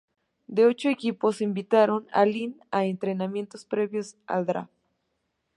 Ocho equipos invitaron a Lin a entrenamientos previos al Draft.